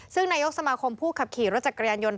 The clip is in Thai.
ซึ่งนายกสมาคมผู้ขับขี่รถจักรยานยนต์